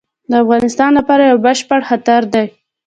د افغانستان لپاره یو بشپړ خطر دی.